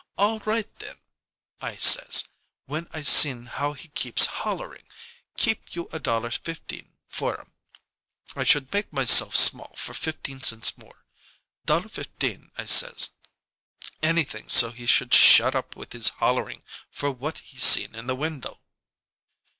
'All right, then,' I says, when I seen how he keeps hollering. 'Give you a dollar fifteen for 'em.' I should make myself small for fifteen cents more. 'Dollar fifteen,' I says anything so he should shut up with his hollering for what he seen in the window."